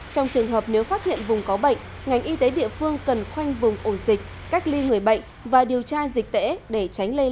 trong trường hợp nếu phát hiện vùng có bệnh ngành y tế địa phương cần khoanh vùng ổ dịch